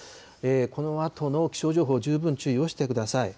このあとの気象情報、十分注意をしてください。